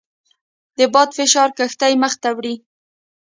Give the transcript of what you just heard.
د باد فشار کښتۍ مخ ته وړي.